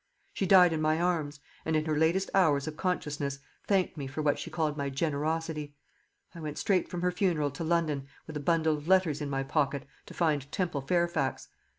She died in my arms, and in her latest hours of consciousness thanked me for what she called my generosity. I went straight from her funeral to London, with a bundle of letters in my pocket, to find Temple Fairfax.